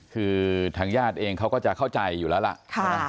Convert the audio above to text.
คือทางญาติเองเขาก็จะเข้าใจอยู่แล้วล่ะ